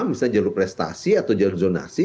misalnya jalur prestasi atau jalur zonasi